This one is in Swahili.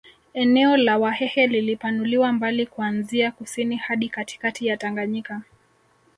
Eneo la Wahehe lilipanuliwa mbali kuanzia kusini hadi katikati ya Tangayika